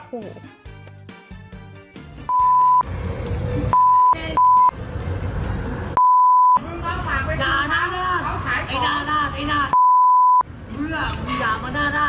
คุยกันนะครับ